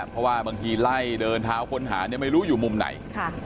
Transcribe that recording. เพราะว่าบางทีไล่เดินเท้าค้นหาเนี่ยไม่รู้อยู่มุมไหน